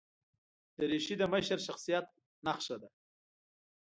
دریشي د مشر شخصیت نښه ده.